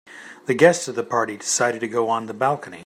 The guests of the party decided to go on the balcony.